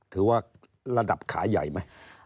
ถือว่าระดับขาใหญ่ไหม